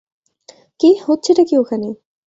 কীহ, হচ্ছেটা কী ওখানে?